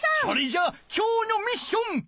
それじゃ今日のミッション！